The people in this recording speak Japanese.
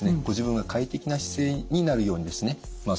ご自分が快適な姿勢になるようにですね